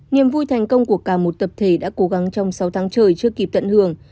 niềm vui thành công của cả một tập thể đã cố gắng trong sáu tháng trời chưa kịp tận hưởng